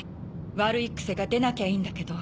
悪い癖が出なきゃいいんだけど。